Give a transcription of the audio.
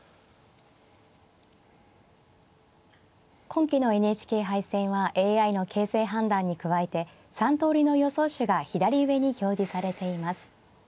今期のＮＨＫ杯戦はＡＩの形勢判断に加えて３通りの予想手が左上に表示されています。